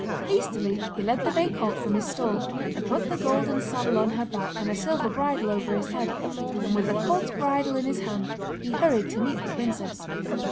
Hastily he led the bay colt from his stall, and put the golden saddle on her back, and the silver bridle over his head, and with the colt's bridle in his hand, he hurried to meet the princess.